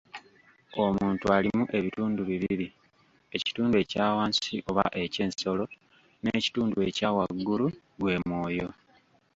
Omuntu alimu ebitundu bibiri: Ekitundu ekya wansi oba eky'ensolo, n'ekitundu ekya waggulu, gwe mwoyo.